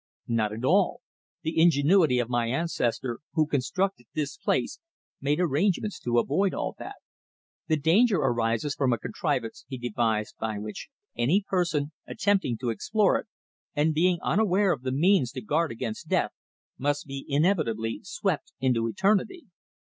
"Not at all. The ingenuity of my ancestor who constructed this place made arrangements to avoid all that. The danger arises from a contrivance he devised by which any person attempting to explore it and being unaware of the means to guard against death, must be inevitably swept into eternity.